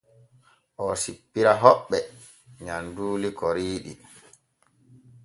Oo sippira hoɓɓe nyamduuli koriiɗi.